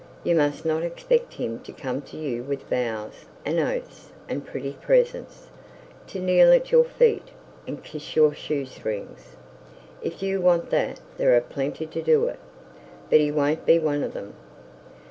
You must not expect him to come to you with vows and oaths and pretty presents, to kneel at your feet, and kiss your shoe strings. If you want that, there are plenty to do it; but he won't be one of them.'